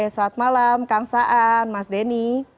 selamat malam kang saan mas denny